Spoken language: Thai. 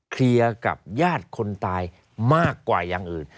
เคลียร์กับญาติคนตายมากกว่าอย่างอื่น